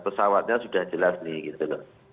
pesawatnya sudah jelas nih gitu loh